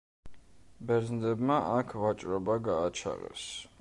ბერძნებმა აქ ვაჭრობა გააჩაღეს.